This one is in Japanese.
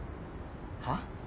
はっ？